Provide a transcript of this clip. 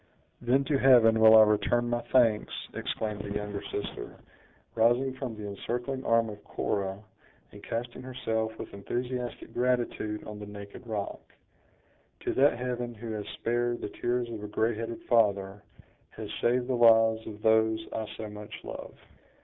"Then to Heaven will I return my thanks!" exclaimed the younger sister, rising from the encircling arm of Cora, and casting herself with enthusiastic gratitude on the naked rock; "to that Heaven who has spared the tears of a gray headed father; has saved the lives of those I so much love."